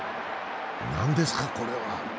何ですか、これは。